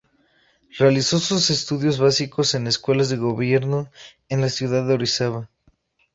Realizó sus estudios básicos en escuelas de gobierno en la ciudad de Orizaba.